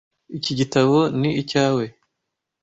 Iki gitabo ni icyawe.